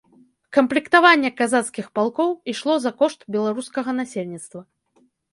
Камплектаванне казацкіх палкоў ішло за кошт беларускага насельніцтва.